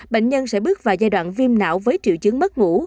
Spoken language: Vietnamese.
bệnh nhân sẽ bước vào giai đoạn viêm não với triệu chứng mất ngủ